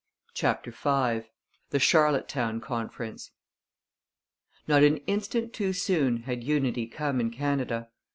CHAPTER V THE CHARLOTTETOWN CONFERENCE Not an instant too soon had unity come in Canada.